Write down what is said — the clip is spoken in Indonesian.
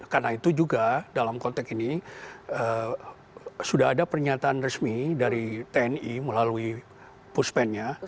karena itu juga dalam konteks ini sudah ada pernyataan resmi dari tni melalui puspennya